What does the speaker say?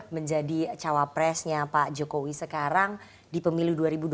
menjadi cawapresnya pak jokowi sekarang di pemilu dua ribu dua puluh